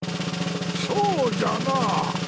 そうじゃなあ